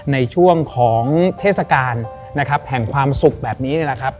ในช่วงของเทศกาลนะครับแห่งความสุขแบบนี้นี่แหละครับ